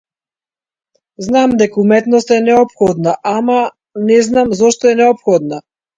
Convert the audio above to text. Знам дека уметноста е неопходна, ама не знам зошто е неопходна.